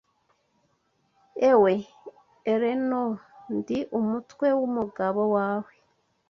Ewe Elenor, Ndi umutwe wumugabo wawe